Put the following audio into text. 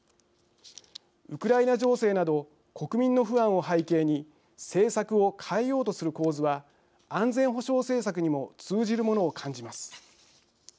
ウクライナ情勢など国民の不安を背景に政策を変えようとする構図は安全保障政策にも通じるものを感じます。